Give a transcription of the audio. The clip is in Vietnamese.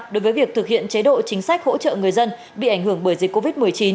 đối với việc thực hiện chế độ chính sách hỗ trợ người dân bị ảnh hưởng bởi dịch covid một mươi chín